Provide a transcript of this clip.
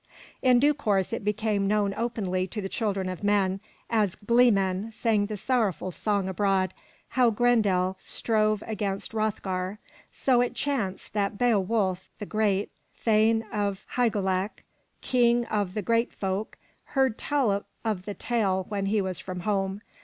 In due course it became known openly to the children of men, as gleemen sang the sorrowful song abroad, how Grendel strove 414 FROM THE TOWER WINDOW against Hroth'gar. So it chanced that Be'o wulf, the Geat, thane of Hy'ge lac, King of the Geat folk, heard tell of the tale when he was from home.